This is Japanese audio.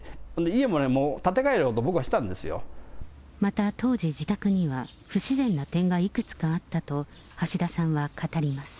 家もね、もう、また当時、自宅には不自然な点がいくつかあったと、橋田さんは語ります。